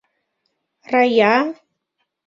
Рая!..